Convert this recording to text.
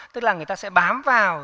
tức là người ta sẽ bám vào